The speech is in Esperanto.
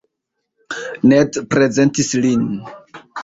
Ned prezentis lin.